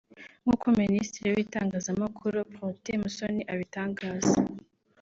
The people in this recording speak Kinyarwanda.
nk’uko Minisitiri w’itangazamakuru Protais Musoni abitangaza